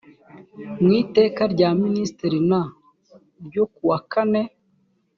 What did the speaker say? mu iteka rya minisitiri n ryo ku wakane